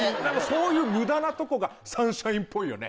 そういう無駄なとこがサンシャインっぽいよね。